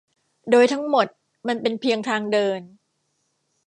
โดยทั้งหมดมันเป็นเพียงทางเดิน